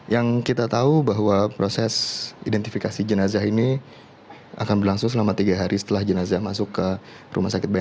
yang kita tahu bahwa proses identifikasi jenazah ini akan berlangsung selama tiga hari setelah jenazah masuk ke rumah sakit bayangka